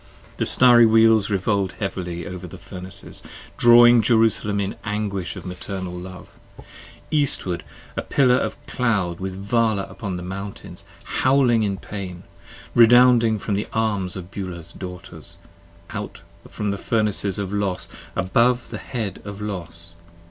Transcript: The Starry Wheels revolv'd heavily over the Furnaces: Drawing Jerusalem in anguish of maternal love, Eastward, a pillar of a cloud with Vala upon the mountains Howling in pain, redounding from the arms of Beulah's Daughters, 50 Out from the Furnaces of Los above the head of Los.